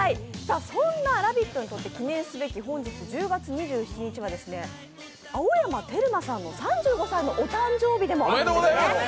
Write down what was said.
そんな「ラヴィット！」にとって記念すべき１０月２７日は青山テルマさんの３５歳のお誕生日でもあるんですね。